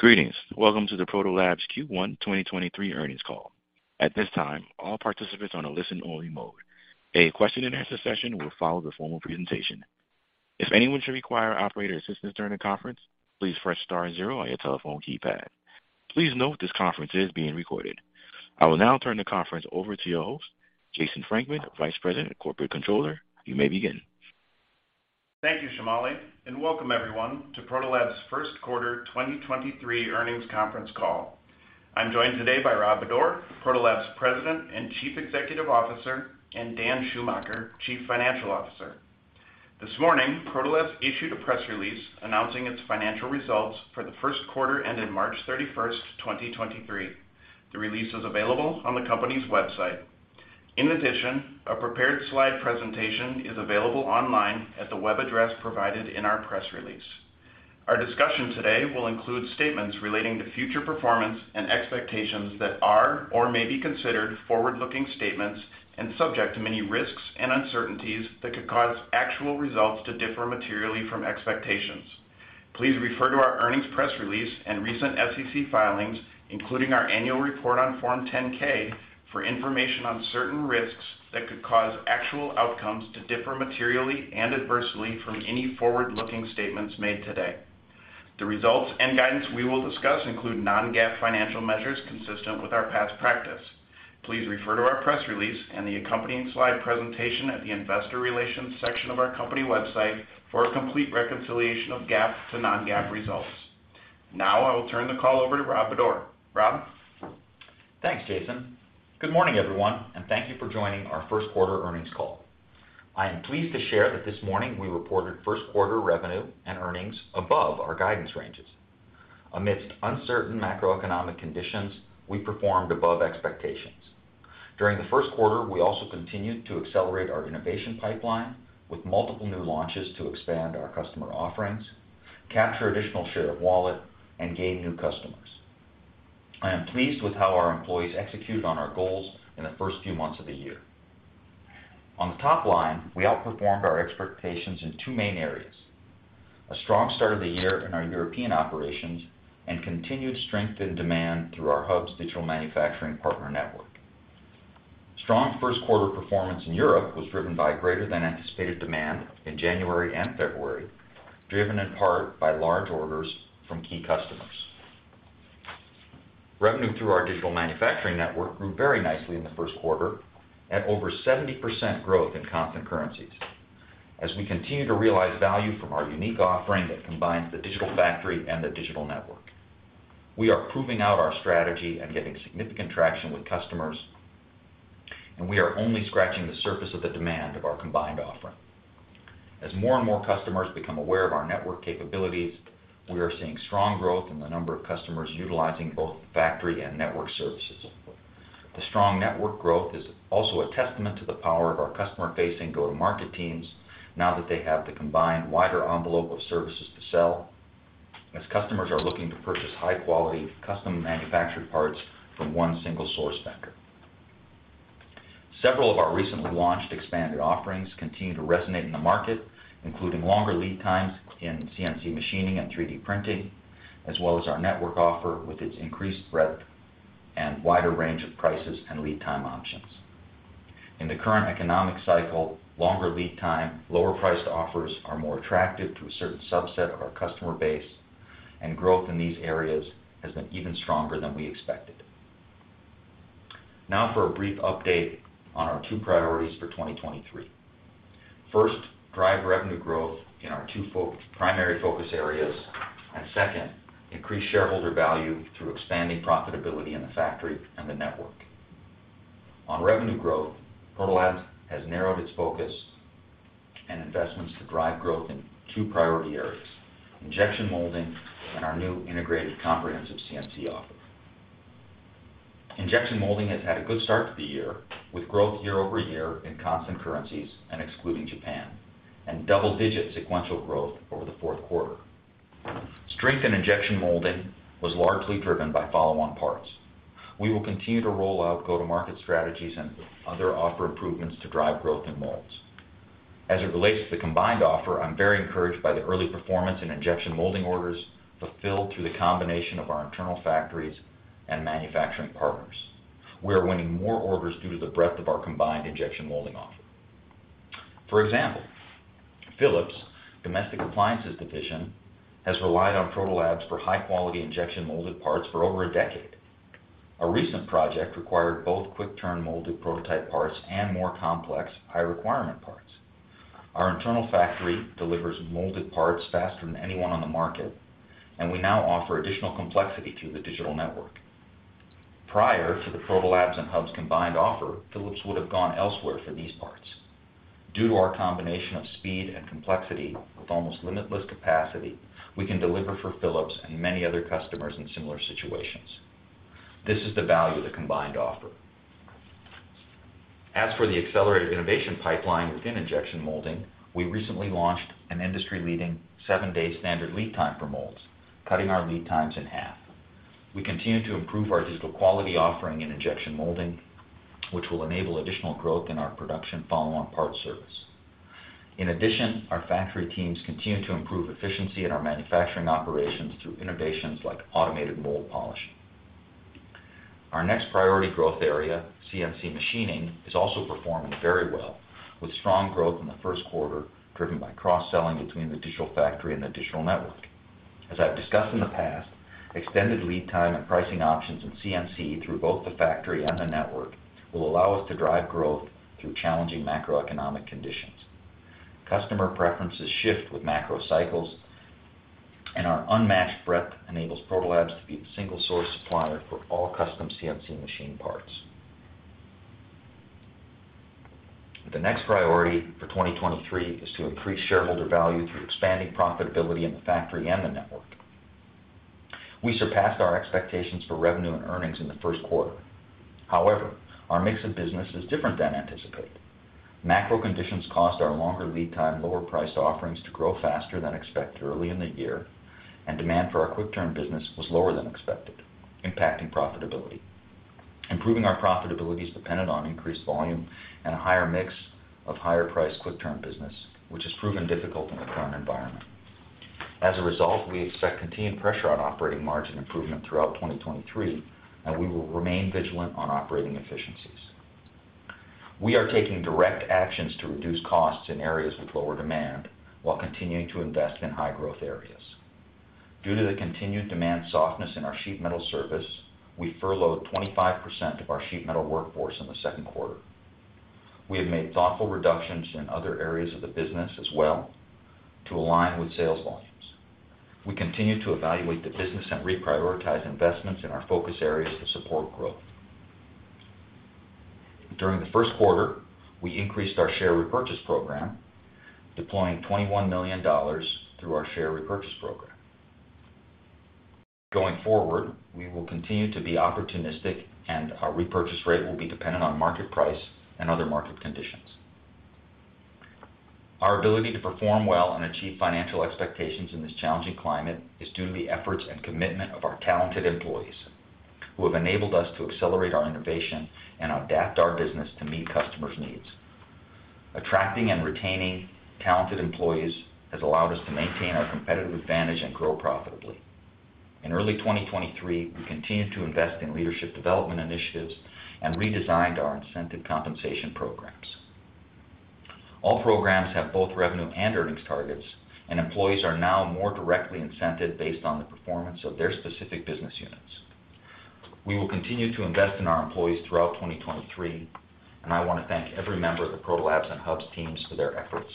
Greetings. Welcome to the Protolabs Q1 2023 earnings call. At this time, all participants are on a listen-only mode. A question-and-answer session will follow the formal presentation. If anyone should require operator assistance during the conference, please press star zero on your telephone keypad. Please note this conference is being recorded. I will now turn the conference over to your host, Jason Frankman, Vice President and Corporate Controller. You may begin. Thank you, Shamali, and welcome everyone to Protolabs' first quarter 2023 earnings conference call. I'm joined today by Rob Bodor, Protolabs' President and Chief Executive Officer, and Dan Schumacher, Chief Financial Officer. This morning, Protolabs issued a press release announcing its financial results for the first quarter ending March 31st, 2023. The release is available on the company's website. A prepared slide presentation is available online at the web address provided in our press release. Our discussion today will include statements relating to future performance and expectations that are or may be considered forward-looking statements and subject to many risks and uncertainties that could cause actual results to differ materially from expectations. Please refer to our earnings press release and recent SEC filings, including our annual report on Form 10-K, for information on certain risks that could cause actual outcomes to differ materially and adversely from any forward-looking statements made today. The results and guidance we will discuss include non-GAAP financial measures consistent with our past practice. Please refer to our press release and the accompanying slide presentation at the investor relations section of our company website for a complete reconciliation of GAAP to non-GAAP results. Now I will turn the call over to Rob Bodor. Rob? Thanks, Jason. Good morning, everyone, and thank you for joining our first quarter earnings call. I am pleased to share that this morning we reported first quarter revenue and earnings above our guidance ranges. Amidst uncertain macroeconomic conditions, we performed above expectations. During the first quarter, we also continued to accelerate our innovation pipeline with multiple new launches to expand our customer offerings, capture additional share of wallet, and gain new customers. I am pleased with how our employees executed on our goals in the first few months of the year. On the top line, we outperformed our expectations in two main areas. A strong start of the year in our European operations and continued strength and demand through our Hubs digital manufacturing partner network. Strong first quarter performance in Europe was driven by greater than anticipated demand in January and February, driven in part by large orders from key customers. Revenue through our digital manufacturing network grew very nicely in the first quarter at over 70% growth in constant currencies as we continue to realize value from our unique offering that combines the digital factory and the digital network. We are proving out our strategy and getting significant traction with customers. We are only scratching the surface of the demand of our combined offering. As more and more customers become aware of our network capabilities, we are seeing strong growth in the number of customers utilizing both factory and network services. The strong network growth is also a testament to the power of our customer-facing go-to-market teams now that they have the combined wider envelope of services to sell as customers are looking to purchase high quality, custom manufactured parts from one single source vendor. Several of our recently launched expanded offerings continue to resonate in the market, including longer lead times in CNC machining and 3D printing, as well as our network offer with its increased breadth and wider range of prices and lead time options. In the current economic cycle, longer lead time, lower priced offers are more attractive to a certain subset of our customer base, and growth in these areas has been even stronger than we expected. For a brief update on our two priorities for 2023. First, drive revenue growth in our two primary focus areas. Second, increase shareholder value through expanding profitability in the factory and the network. On revenue growth, Protolabs has narrowed its focus and investments to drive growth in two priority areas, injection molding and our new integrated comprehensive CNC offer. Injection molding has had a good start to the year with growth year-over-year in constant currencies and excluding Japan and double-digit sequential growth over the fourth quarter. Strength in injection molding was largely driven by follow-on parts. We will continue to roll out go-to-market strategies and other offer improvements to drive growth in molds. As it relates to the combined offer, I'm very encouraged by the early performance in injection molding orders fulfilled through the combination of our internal factories and manufacturing partners. We are winning more orders due to the breadth of our combined injection molding offer. For example, Philips Domestic Appliances division has relied on Protolabs for high-quality injection molded parts for over a decade. A recent project required both quick turn molded prototype parts and more complex high requirement parts. Our internal factory delivers molded parts faster than anyone on the market, and we now offer additional complexity to the digital network. Prior to the Protolabs and Hubs combined offer, Philips would have gone elsewhere for these parts. Due to our combination of speed and complexity with almost limitless capacity, we can deliver for Philips and many other customers in similar situations. This is the value of the combined offer. As for the accelerated innovation pipeline within injection molding, we recently launched an industry-leading seven-day standard lead time for molds, cutting our lead times in half. We continue to improve our digital quality offering in injection molding, which will enable additional growth in our production follow on parts service. Our factory teams continue to improve efficiency in our manufacturing operations through innovations like automated mold polishing. Our next priority growth area, CNC machining, is also performing very well, with strong growth in the first quarter driven by cross-selling between the digital factory and the digital network. As I've discussed in the past, extended lead time and pricing options in CNC through both the factory and the network will allow us to drive growth through challenging macroeconomic conditions. Customer preferences shift with macro cycles, our unmatched breadth enables Protolabs to be the single source supplier for all custom CNC machine parts. The next priority for 2023 is to increase shareholder value through expanding profitability in the factory and the network. We surpassed our expectations for revenue and earnings in the first quarter. However, our mix of business is different than anticipated. Macro conditions cost our longer lead time, lower priced offerings to grow faster than expected early in the year, and demand for our quick turn business was lower than expected, impacting profitability. Improving our profitability is dependent on increased volume and a higher mix of higher priced quick turn business, which has proven difficult in the current environment. As a result, we expect continued pressure on operating margin improvement throughout 2023, and we will remain vigilant on operating efficiencies. We are taking direct actions to reduce costs in areas with lower demand while continuing to invest in high growth areas. Due to the continued demand softness in our sheet metal service, we furloughed 25% of our sheet metal workforce in the second quarter. We have made thoughtful reductions in other areas of the business as well to align with sales volumes. We continue to evaluate the business and reprioritize investments in our focus areas to support growth. During the first quarter, we increased our share repurchase program, deploying $21 million through our share repurchase program. Going forward, we will continue to be opportunistic and our repurchase rate will be dependent on market price and other market conditions. Our ability to perform well and achieve financial expectations in this challenging climate is due to the efforts and commitment of our talented employees who have enabled us to accelerate our innovation and adapt our business to meet customers' needs. Attracting and retaining talented employees has allowed us to maintain our competitive advantage and grow profitably. In early 2023, we continued to invest in leadership development initiatives and redesigned our incentive compensation programs. All programs have both revenue and earnings targets, and employees are now more directly incented based on the performance of their specific business units. We will continue to invest in our employees throughout 2023, and I want to thank every member of the Protolabs and Hubs teams for their efforts.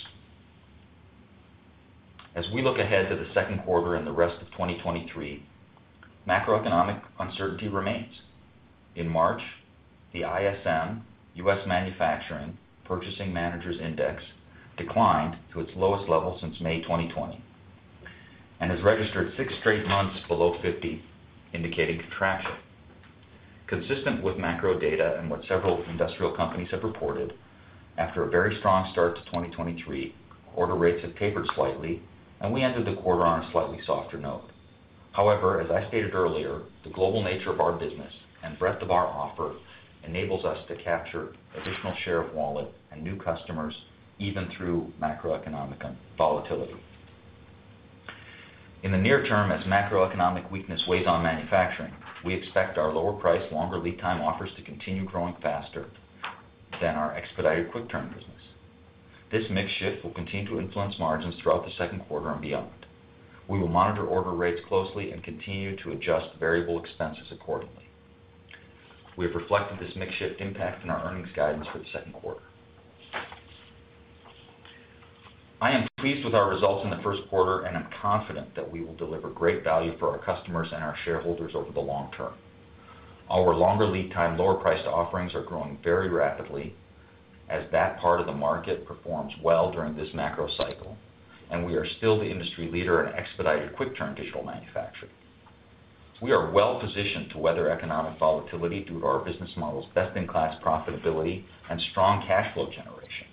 As we look ahead to the second quarter and the rest of 2023, macroeconomic uncertainty remains. In March, the ISM US Manufacturing Purchasing Managers Index declined to its lowest level since May 2020 and has registered six straight months below 50, indicating contraction. Consistent with macro data and what several industrial companies have reported, after a very strong start to 2023, order rates have tapered slightly and we ended the quarter on a slightly softer note. However, as I stated earlier, the global nature of our business and breadth of our offer enables us to capture additional share of wallet and new customers even through macroeconomic volatility. In the near term, as macroeconomic weakness weighs on manufacturing, we expect our lower priced, longer lead time offers to continue growing faster than our expedited quick turn business. This mix shift will continue to influence margins throughout the second quarter and beyond. We will monitor order rates closely and continue to adjust variable expenses accordingly. We have reflected this mix shift impact in our earnings guidance for the second quarter. I am pleased with our results in the first quarter and am confident that we will deliver great value for our customers and our shareholders over the long term. Our longer lead time, lower priced offerings are growing very rapidly as that part of the market performs well during this macro cycle, and we are still the industry leader in expedited quick turn digital manufacturing. We are well-positioned to weather economic volatility through our business model's best in class profitability and strong cash flow generation.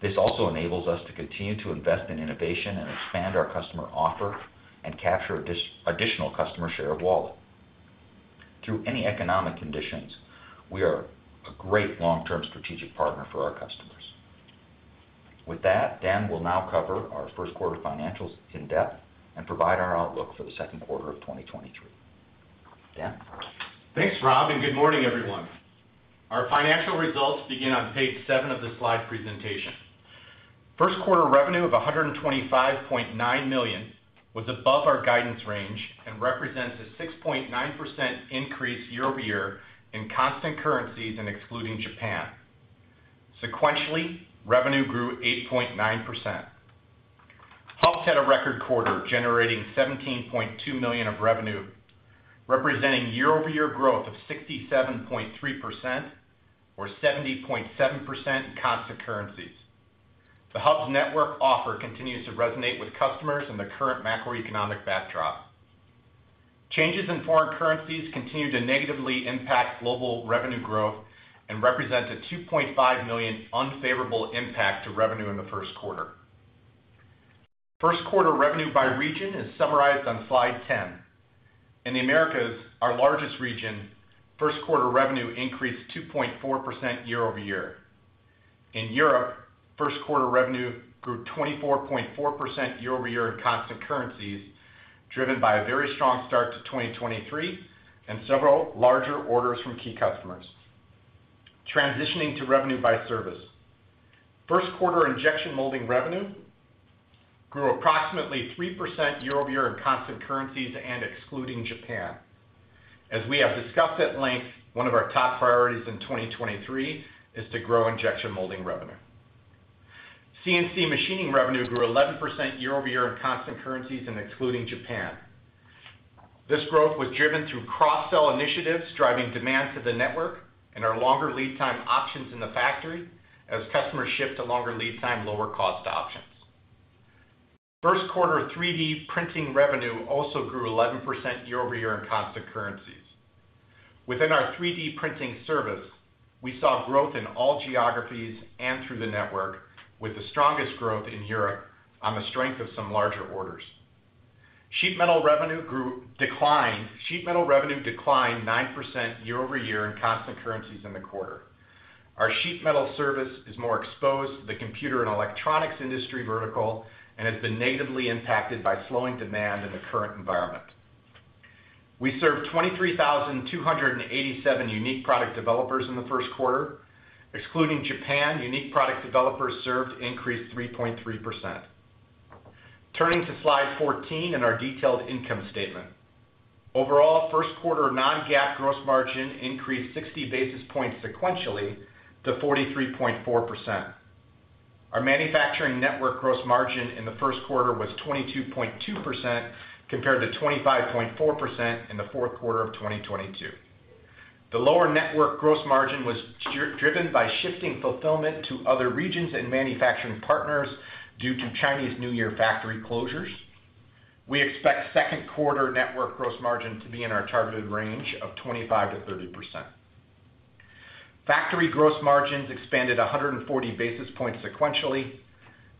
This also enables us to continue to invest in innovation and expand our customer offer and capture additional customer share of wallet. Through any economic conditions, we are a great long-term strategic partner for our customers. With that, Dan will now cover our first quarter financials in depth and provide our outlook for the second quarter of 2023. Dan? Thanks, Rob, good morning, everyone. Our financial results begin on page seven of the slide presentation. First quarter revenue of $125.9 million was above our guidance range and represents a 6.9% increase year-over-year in constant currencies and excluding Japan. Sequentially, revenue grew 8.9%. Hubs had a record quarter, generating $17.2 million of revenue, representing year-over-year growth of 67.3% or 70.7% in constant currencies. The Hubs network offer continues to resonate with customers in the current macroeconomic backdrop. Changes in foreign currencies continue to negatively impact global revenue growth and represent a $2.5 million unfavorable impact to revenue in the first quarter. First quarter revenue by region is summarized on slide 10. In the Americas, our largest region, first quarter revenue increased 2.4% year-over-year. In Europe, first quarter revenue grew 24.4% year-over-year in constant currencies, driven by a very strong start to 2023 and several larger orders from key customers. Transitioning to revenue by service. First quarter injection molding revenue grew approximately 3% year-over-year in constant currencies and excluding Japan. As we have discussed at length, one of our top priorities in 2023 is to grow injection molding revenue. CNC machining revenue grew 11% year-over-year in constant currencies and excluding Japan. This growth was driven through cross-sell initiatives, driving demand to the network and our longer lead time options in the factory as customers shift to longer lead time, lower cost options. First quarter 3D printing revenue also grew 11% year-over-year in constant currencies. Within our 3D printing service, we saw growth in all geographies and through the Network, with the strongest growth in Europe on the strength of some larger orders. Sheet metal revenue declined. Sheet metal revenue declined 9% year-over-year in constant currencies in the quarter. Our sheet metal service is more exposed to the computer and electronics industry vertical and has been negatively impacted by slowing demand in the current environment. We served 23,287 unique product developers in the first quarter. Excluding Japan, unique product developers served increased 3.3%. Turning to slide 14 and our detailed income statement. Overall, first quarter non-GAAP gross margin increased 60 basis points sequentially to 43.4%. Our manufacturing network gross margin in the first quarter was 22.2% compared to 25.4% in the fourth quarter of 2022. The lower network gross margin was driven by shifting fulfillment to other regions and manufacturing partners due to Chinese New Year factory closures. We expect second quarter network gross margin to be in our targeted range of 25%-30%. Factory gross margins expanded 140 basis points sequentially.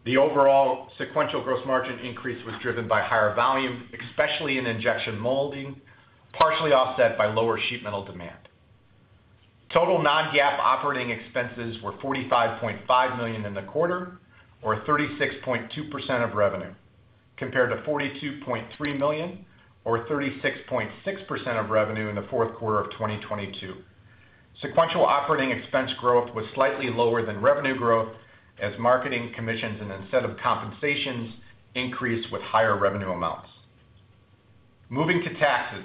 The overall sequential gross margin increase was driven by higher volume, especially in injection molding, partially offset by lower sheet metal demand. Total non-GAAP operating expenses were $45.5 million in the quarter or 36.2% of revenue, compared to $42.3 million or 36.6% of revenue in the fourth quarter of 2022. Sequential operating expense growth was slightly lower than revenue growth as marketing commissions and incentive compensations increased with higher revenue amounts. Moving to taxes.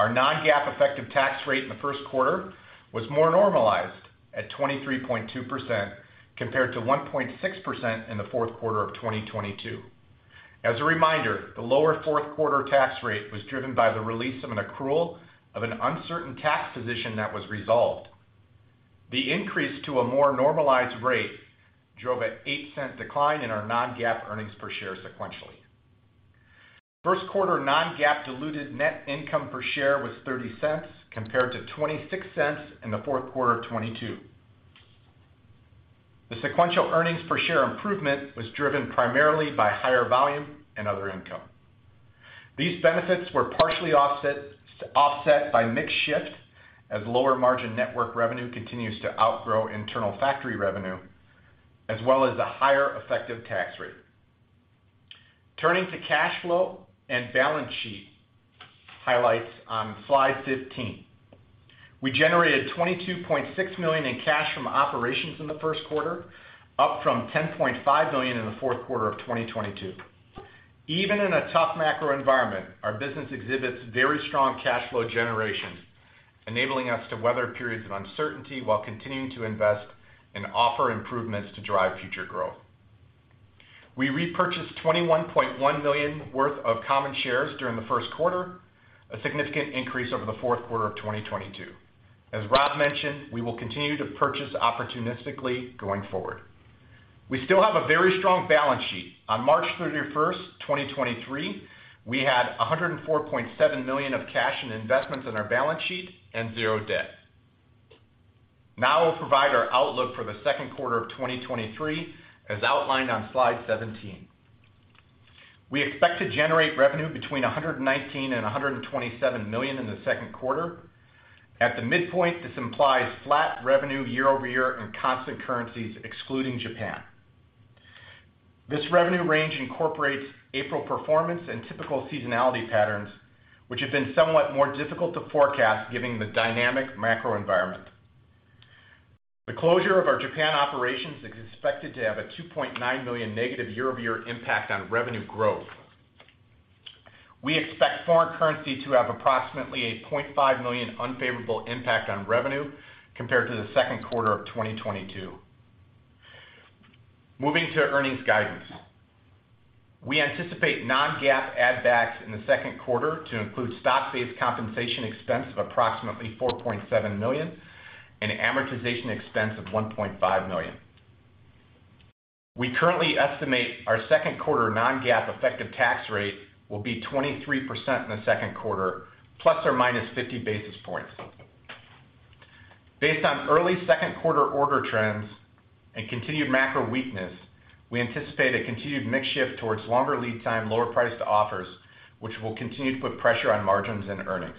Our non-GAAP effective tax rate in the first quarter was more normalized at 23.2% compared to 1.6% in the fourth quarter of 2022. As a reminder, the lower fourth quarter tax rate was driven by the release of an accrual of an uncertain tax position that was resolved. The increase to a more normalized rate drove a $0.08 decline in our non-GAAP earnings per share sequentially. First quarter non-GAAP diluted net income per share was $0.30 compared to $0.26 in the fourth quarter of 2022. The sequential earnings per share improvement was driven primarily by higher volume and other income. These benefits were partially offset by mix shift as lower margin network revenue continues to outgrow internal factory revenue, as well as a higher effective tax rate. Turning to cash flow and balance sheet highlights on slide 15. We generated $22.6 million in cash from operations in the first quarter, up from $10.5 million in the fourth quarter of 2022. Even in a tough macro environment, our business exhibits very strong cash flow generation, enabling us to weather periods of uncertainty while continuing to invest and offer improvements to drive future growth. We repurchased $21.1 million worth of common shares during the first quarter, a significant increase over the fourth quarter of 2022. As Rob mentioned, we will continue to purchase opportunistically going forward. We still have a very strong balance sheet. On March 31, 2023, we had $104.7 million of cash and investments in our balance sheet and zero debt. We'll provide our outlook for the second quarter of 2023, as outlined on slide 17. We expect to generate revenue between $119 million-$127 million in the second quarter. At the midpoint, this implies flat revenue year-over-year in constant currencies excluding Japan. This revenue range incorporates April performance and typical seasonality patterns, which have been somewhat more difficult to forecast given the dynamic macro environment. The closure of our Japan operations is expected to have a $2.9 million negative year-over-year impact on revenue growth. We expect foreign currency to have approximately a $0.5 million unfavorable impact on revenue compared to the second quarter of 2022. Moving to earnings guidance. We anticipate non-GAAP add backs in the second quarter to include stock-based compensation expense of approximately $4.7 million and amortization expense of $1.5 million. We currently estimate our second quarter non-GAAP effective tax rate will be 23% in the second quarter, ±50 basis points. Based on early second quarter order trends and continued macro weakness, we anticipate a continued mix shift towards longer lead time, lower price to offers, which will continue to put pressure on margins and earnings.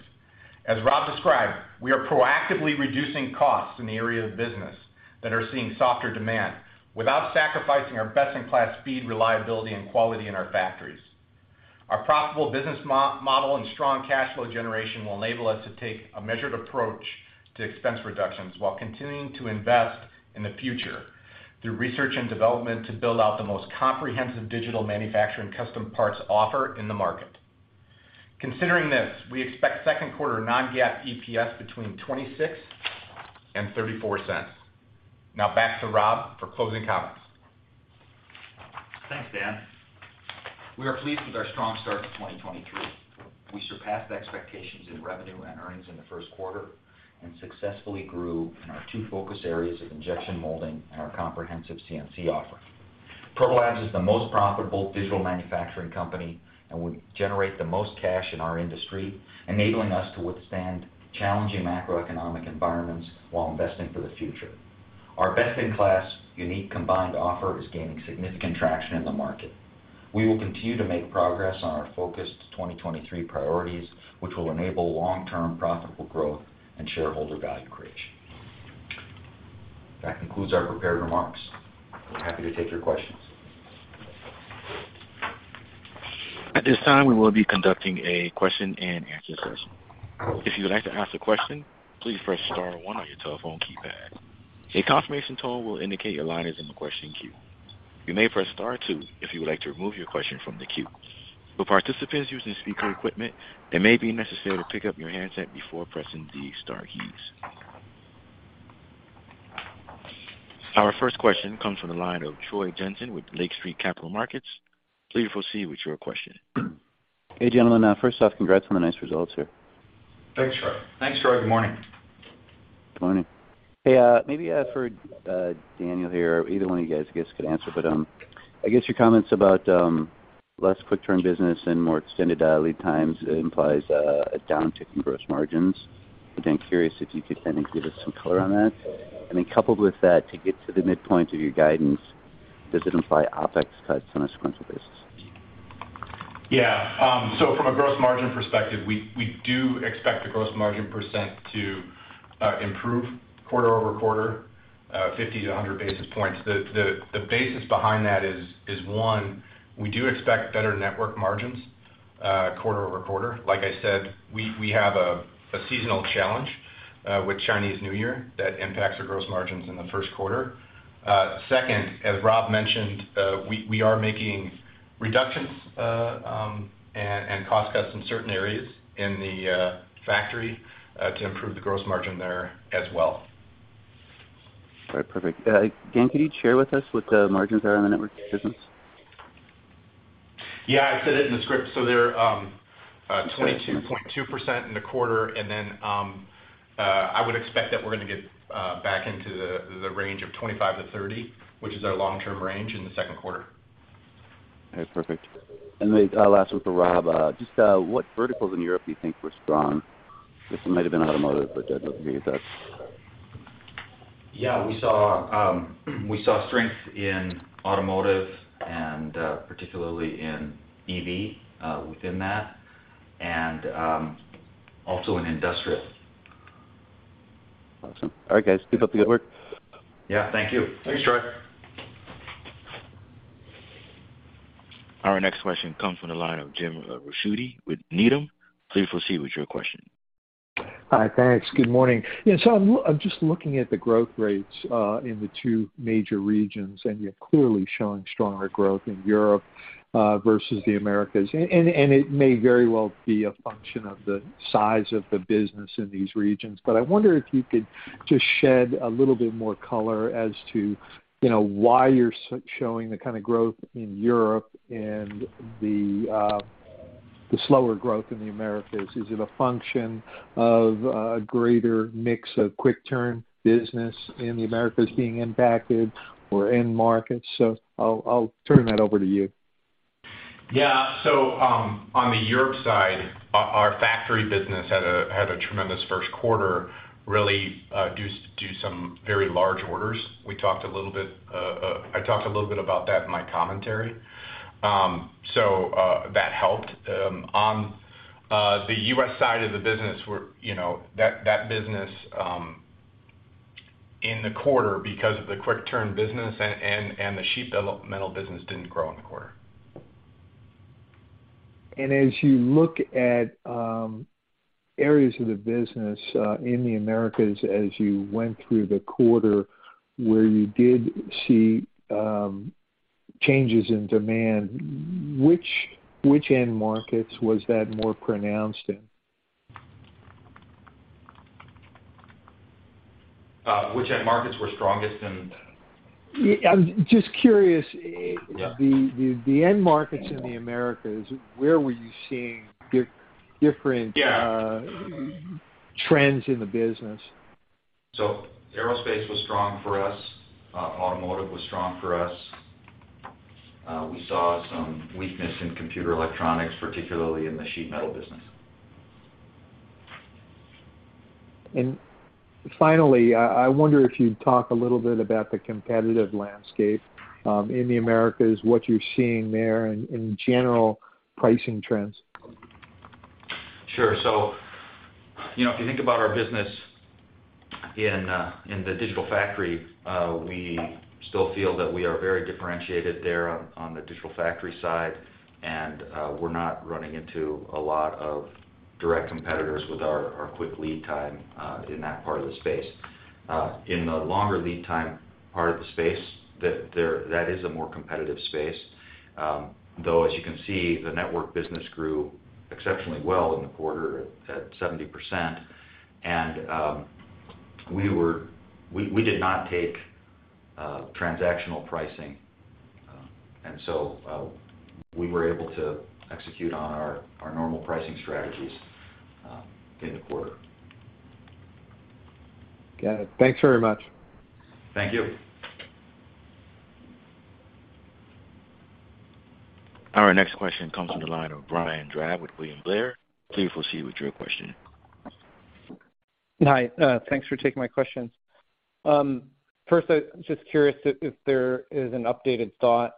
As Rob described, we are proactively reducing costs in the area of the business that are seeing softer demand without sacrificing our best-in-class speed, reliability, and quality in our factories. Our profitable business model and strong cash flow generation will enable us to take a measured approach to expense reductions while continuing to invest in the future through research and development to build out the most comprehensive digital manufacturing custom parts offer in the market. Considering this, we expect second quarter non-GAAP EPS between $0.26 and $0.34. Now back to Rob for closing comments. Thanks, Dan. We are pleased with our strong start to 2023. We surpassed expectations in revenue and earnings in the first quarter and successfully grew in our two focus areas of injection molding and our comprehensive CNC offer. Protolabs is the most profitable digital manufacturing company, and we generate the most cash in our industry, enabling us to withstand challenging macroeconomic environments while investing for the future. Our best-in-class unique combined offer is gaining significant traction in the market. We will continue to make progress on our focused 2023 priorities, which will enable long-term profitable growth and shareholder value creation. That concludes our prepared remarks. We're happy to take your questions. At this time, we will be conducting a question-and-answer session. If you would like to ask a question, please press star one on your telephone keypad. A confirmation tone will indicate your line is in the question queue. You may press star two if you would like to remove your question from the queue. For participants using speaker equipment, it may be necessary to pick up your handset before pressing the star keys. Our first question comes from the line of Troy Jensen with Lake Street Capital Markets. Please proceed with your question. Hey, gentlemen. first off, congrats on the nice results here. Thanks, Troy. Thanks, Troy. Good morning. Good morning. Hey, maybe for Daniel here, either one of you guys, I guess, could answer, but I guess your comments about less quick turn business and more extended lead times implies a down tick in gross margins. I'm curious if you could kind of give us some color on that? Coupled with that, to get to the midpoint of your guidance, does it imply OpEx cuts on a sequential basis? Yeah. From a gross margin perspective, we do expect the gross margin percent to improve quarter-over-quarter, 50 to 100 basis points. The basis behind that is one, we do expect better network margins, quarter-over-quarter. Like I said, we have a seasonal challenge with Chinese New Year that impacts our gross margins in the first quarter. Second, as Rob mentioned, we are making reductions, and cost cuts in certain areas in the factory, to improve the gross margin there as well. All right. Perfect. Dan, could you share with us what the margins are on the network business? Yeah. I said it in the script. They're 22.2% in the quarter. I would expect that we're gonna get back into the 25%-30% range, which is our long-term range in the second quarter. All right. Perfect. Last one for Rob. Just, what verticals in Europe do you think were strong? This might have been automotive, just looking to get your thoughts. Yeah. We saw strength in automotive and, particularly in EV, within that and, also in industrial. Awesome. All right, guys. Keep up the good work. Yeah. Thank you. Thanks, Troy. Our next question comes from the line of Jim Ricchiuti with Needham. Please proceed with your question. Hi. Thanks. Good morning. I'm just looking at the growth rates in the two major regions, and you're clearly showing stronger growth in Europe versus the Americas. It may very well be a function of the size of the business in these regions. I wonder if you could just shed a little bit more color as to, you know, why you're showing the kind of growth in Europe and the slower growth in the Americas. Is it a function of a greater mix of quick turn business in the Americas being impacted or end markets? I'll turn that over to you. On the Europe side, our factory business had a tremendous first quarter, really due to some very large orders. We talked a little bit I talked a little bit about that in my commentary. That helped. On the U.S. side of the business were, you know, that business, in the quarter because of the quick turn business and the sheet metal business didn't grow in the quarter. As you look at, areas of the business, in the Americas as you went through the quarter where you did see, changes in demand, which end markets was that more pronounced in? Which end markets were strongest in? Yeah, I'm just curious. Yeah. The end markets in the Americas, where were you seeing different? Yeah. trends in the business? Aerospace was strong for us. Automotive was strong for us. We saw some weakness in computer electronics, particularly in the sheet metal business. Finally, I wonder if you'd talk a little bit about the competitive landscape in the Americas, what you're seeing there and general pricing trends. Sure. You know, if you think about our business in the digital factory, we still feel that we are very differentiated there on the digital factory side, and we're not running into a lot of direct competitors with our quick lead time in that part of the space. In the longer lead time part of the space, that is a more competitive space. Though as you can see, the network business grew exceptionally well in the quarter at 70%. We did not take transactional pricing. We were able to execute on our normal pricing strategies in the quarter. Got it. Thanks very much. Thank you. Our next question comes from the line of Brian Drab with William Blair. Please proceed with your question. Hi, thanks for taking my questions. First I'm just curious if there is an updated thought,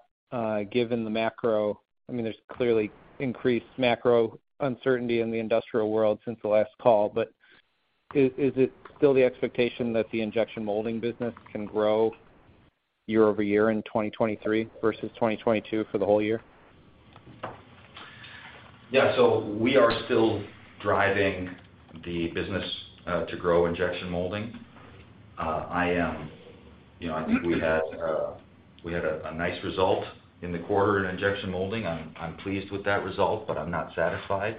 given the macro. I mean, there's clearly increased macro uncertainty in the industrial world since the last call. Is it still the expectation that the injection molding business can grow year-over-year in 2023 versus 2022 for the whole year? Yeah. We are still driving the business to grow injection molding. I am you know, I think we had a nice result in the quarter in injection molding. I'm pleased with that result, but I'm not satisfied.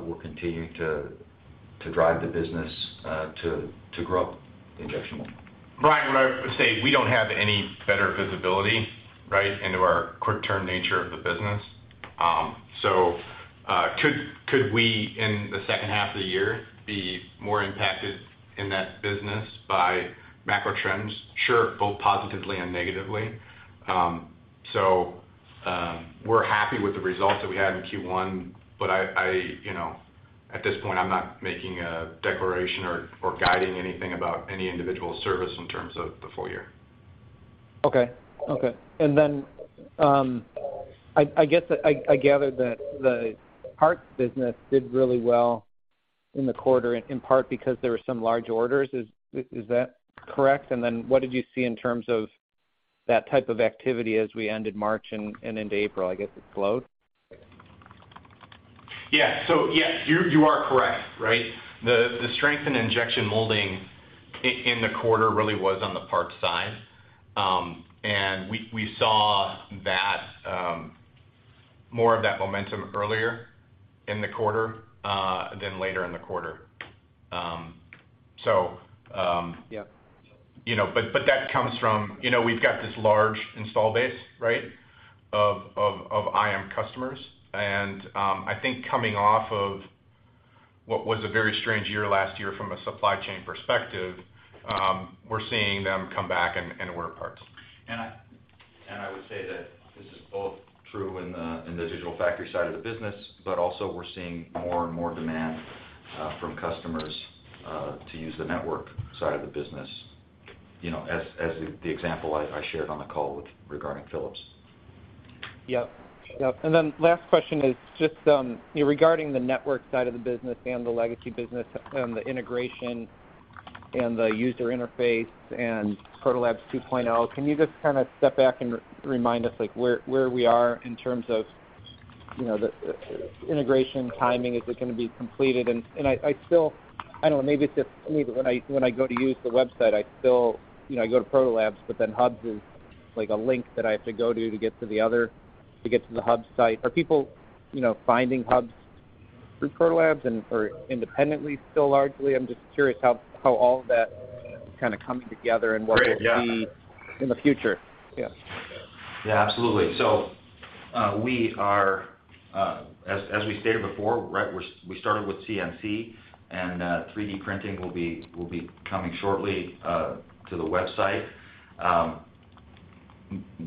We're continuing to drive the business to grow injection molding. Brian, I would say we don't have any better visibility, right, into our quick term nature of the business. Could we in the second half of the year be more impacted in that business by macro trends? Sure, both positively and negatively. We're happy with the results that we had in Q1, but I, you know, at this point, I'm not making a declaration or guiding anything about any individual service in terms of the full year. Okay. Okay. Then, I gathered that the parts business did really well in the quarter, in part because there were some large orders. Is that correct? Then what did you see in terms of that type of activity as we ended March and into April, I guess, it flowed? Yeah, you are correct, right? The strength in injection molding in the quarter really was on the parts side. We saw that, more of that momentum earlier in the quarter than later in the quarter. Yeah. You know, but that comes from, you know, we've got this large install base, right, of, of IM customers. I think coming off of what was a very strange year last year from a supply chain perspective, we're seeing them come back and order parts. I would say that this is both true in the digital factory side of the business, but also we're seeing more and more demand from customers to use the network side of the business, you know, as the example I shared on the call with regarding Philips. Yep. Yep. Last question is just, you know, regarding the network side of the business and the legacy business and the integration and the user interface and Protolabs 2.0. Can you just kinda step back and remind us, like, where we are in terms of, you know, the integration timing? Is it gonna be completed? I still... I don't know, maybe it's just me, but when I, when I go to use the website, I still, you know, I go to Protolabs, but then Hubs is like a link that I have to go to get to the Hubs site. Are people, you know, finding Hubs through Protolabs and or independently still largely? I'm just curious how all of that is kinda coming together and what we'll see- Great. Yeah. in the future. Yeah. Absolutely. We are as we stated before, right, we started with CNC, and 3D printing will be coming shortly to the website.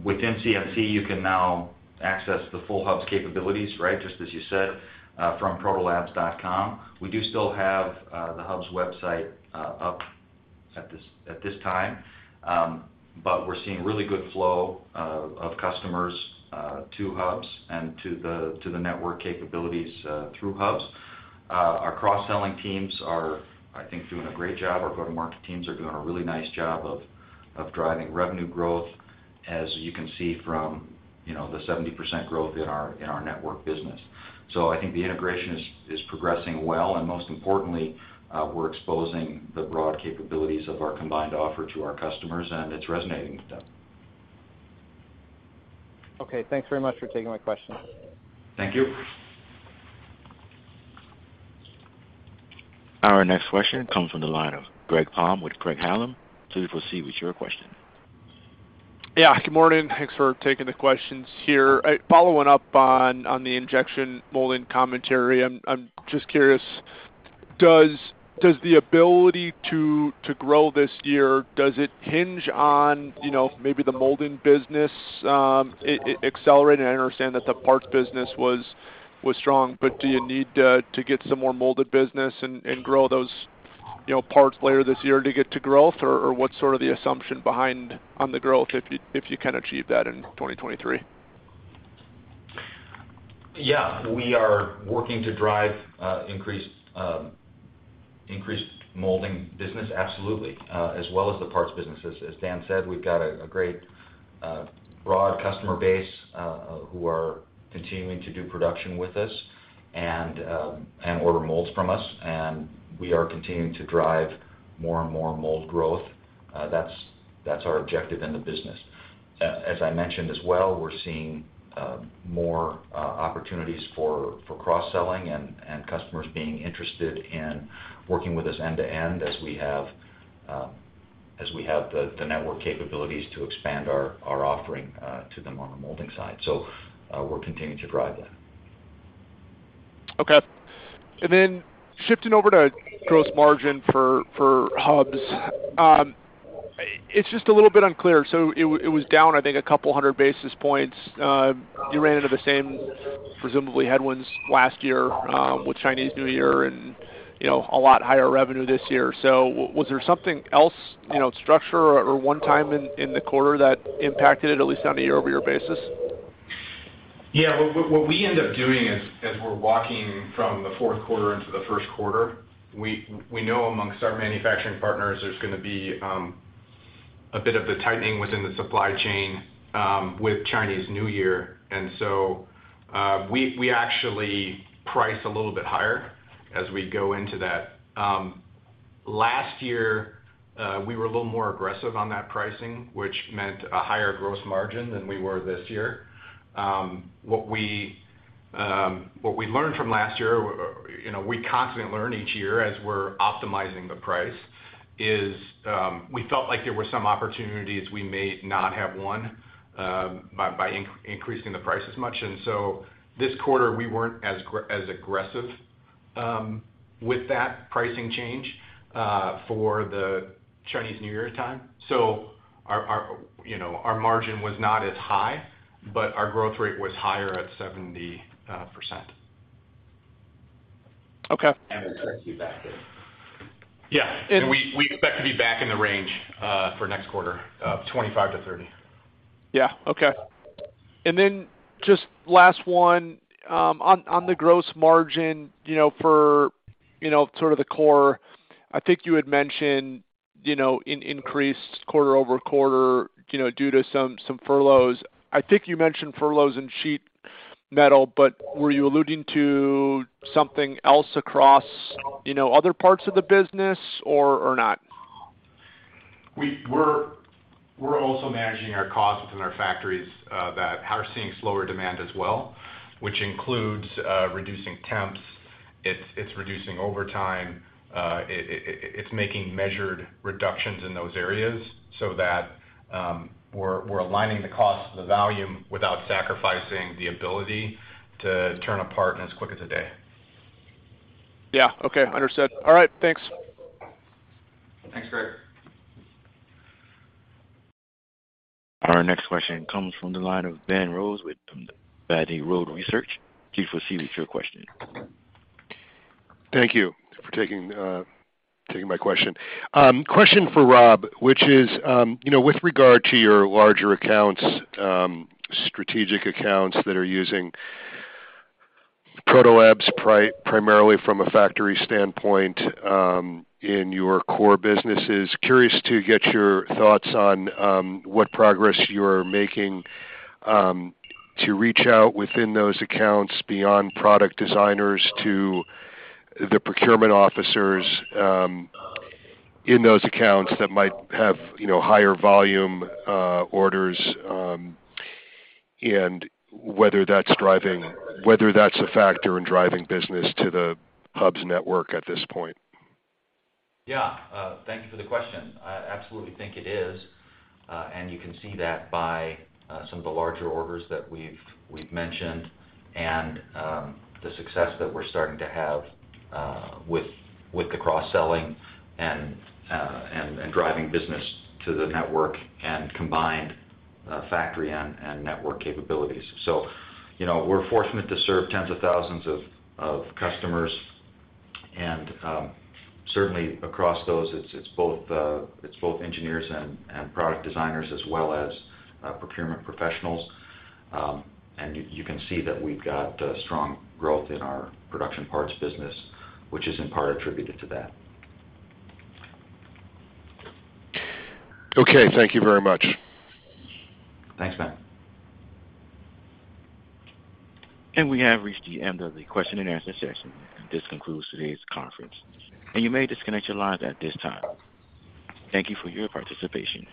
Within CNC, you can now access the full Hubs capabilities, right, just as you said, from protolabs.com. We do still have the Hubs website up at this time. We're seeing really good flow of customers to Hubs and to the network capabilities through Hubs. Our cross-selling teams are, I think, doing a great job. Our go-to-market teams are doing a really nice job of driving revenue growth, as you can see from, you know, the 70% growth in our network business. I think the integration is progressing well, and most importantly, we're exposing the broad capabilities of our combined offer to our customers, and it's resonating with them. Okay, thanks very much for taking my questions. Thank you. Our next question comes from the line of Greg Palm with Craig-Hallum. Please proceed with your question. Yeah, good morning. Thanks for taking the questions here. Following up on the injection molding commentary. I'm just curious. Does the ability to grow this year hinge on, you know, maybe the molding business accelerate? I understand that the parts business was strong. Do you need to get some more molded business and grow those, you know, parts later this year to get to growth? What's sort of the assumption behind on the growth if you can achieve that in 2023? Yeah. We are working to drive increased molding business, absolutely, as well as the parts business. As Dan said, we've got a great broad customer base who are continuing to do production with us and order molds from us, and we are continuing to drive more and more mold growth. That's our objective in the business. As I mentioned as well, we're seeing more opportunities for cross-selling and customers being interested in working with us end to end as we have the network capabilities to expand our offering to them on the molding side. We're continuing to drive that. Okay. Shifting over to gross margin for Hubs. It's just a little bit unclear. It was down, I think, a couple hundred basis points. You ran into the same, presumably, headwinds last year, with Chinese New Year and, you know, a lot higher revenue this year. Was there something else, you know, structure or one time in the quarter that impacted it at least on a year-over-year basis? Yeah. What we end up doing as we're walking from the fourth quarter into the first quarter, we know amongst our manufacturing partners there's gonna be a bit of the tightening within the supply chain with Chinese New Year. We actually price a little bit higher as we go into that. Last year, we were a little more aggressive on that pricing, which meant a higher gross margin than we were this year. What we learned from last year, you know, we constantly learn each year as we're optimizing the price is, we felt like there were some opportunities we may not have won by increasing the price as much. This quarter we weren't as aggressive with that pricing change for the Chinese New Year time. Our, you know, our margin was not as high, but our growth rate was higher at 70%. Okay. It takes you back in. Yeah. We expect to be back in the range, for next quarter, 25-30. Yeah. Okay. Just last one. on the gross margin, you know, for, you know, sort of the core, I think you had mentioned, you know, increased quarter-over-quarter, you know, due to some furloughs. I think you mentioned furloughs in sheet metal, but were you alluding to something else across, you know, other parts of the business or not? We're also managing our costs within our factories that are seeing slower demand as well, which includes reducing temps. It's reducing overtime. It's making measured reductions in those areas so that we're aligning the cost to the volume without sacrificing the ability to turn a part in as quick as a day. Yeah. Okay. Understood. All right. Thanks. Thanks, Greg. Our next question comes from the line of Ben Rose with Battle Road Research. Please proceed with your question. Thank you for taking my question. Question for Rob, which is, you know, with regard to your larger accounts, strategic accounts that are using Protolabs primarily from a factory standpoint, in your core businesses. Curious to get your thoughts on what progress you are making to reach out within those accounts beyond product designers to the procurement officers in those accounts that might have, you know, higher volume orders, and whether that's a factor in driving business to the Hubs network at this point. Yeah. Thank you for the question. I absolutely think it is. You can see that by some of the larger orders that we've mentioned and the success that we're starting to have with the cross-selling and driving business to the network and combined factory and network capabilities. You know, we're fortunate to serve tens of thousands of customers and certainly across those it's both engineers and product designers as well as procurement professionals. You can see that we've got strong growth in our production parts business, which is in part attributed to that. Okay. Thank you very much. Thanks, Ben. We have reached the end of the question and answer session. This concludes today's conference, and you may disconnect your lines at this time. Thank you for your participation.